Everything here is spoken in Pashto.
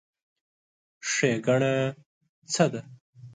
ښېګڼه څه ده؟